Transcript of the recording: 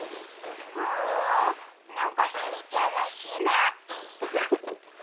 ふーん、なんかスギちゃんらしいね。